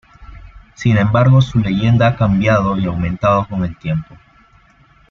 Sin embargo su leyenda ha cambiado y aumentado con el tiempo.